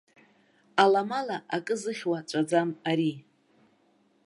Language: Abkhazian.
Аламала акы зыхьуа ҵәаӡам ари.